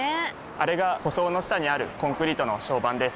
あれが舗装の下にあるコンクリートの床版です。